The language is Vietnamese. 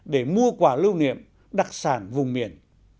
để mua quả lưu niệm đặc sản vùng miền